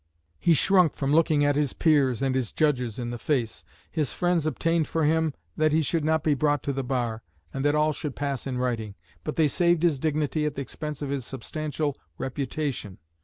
He shrunk from looking his peers and his judges in the face. His friends obtained for him that he should not be brought to the bar, and that all should pass in writing. But they saved his dignity at the expense of his substantial reputation.